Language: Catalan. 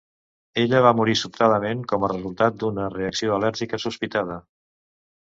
Ella va morir sobtadament com a resultat d'una reacció al·lèrgica sospitada.